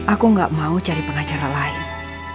aku gak mau cari pengacara lain